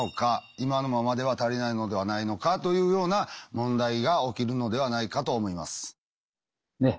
今のままでは足りないのではないのかというような問題が起きるのではないかと思います。